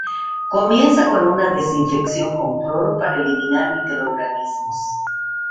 Comienza con una desinfección con cloro para eliminar microorganismos.